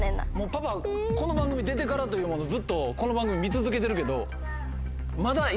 パパこの番組出てからというものずっとこの番組見続けてるけどまだ。